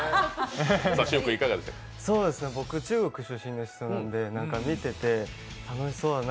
僕、中国出身の人なんで、見てて楽しそうだな